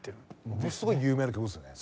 ものすごい有名な曲ですよね。